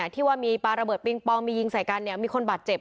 ที่ว่ามีปลาระเบิดปิงปองมียิงใส่กันมีคนบาดเจ็บ